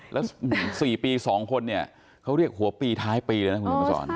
แล้ว๔ปี๒คนเนี่ยเขาเรียกหัวปีท้ายปีเลยนะคุณเขียนมาสอน